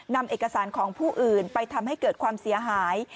นำเอกสารของผู้อื่นไปทำให้เกิดความเสียหาย